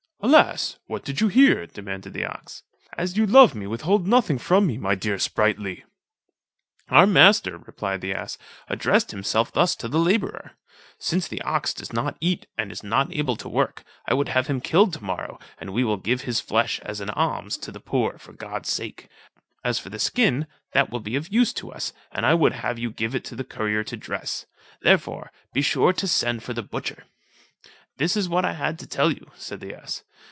"Alas! what did you hear?" demanded the ox; "as you love me, withhold nothing from me, my dear Sprightly." "Our master," replied the ass, "addressed himself thus to the labourer: 'Since the ox does not eat, and is not able to work, I would have him killed to morrow, and we will give his flesh as an alms to the poor for God's sake, as for the skin, that will be of use to us, and I would have you give it the currier to dress; therefore be sure to send for the butcher.' This is what I had to tell you," said the ass.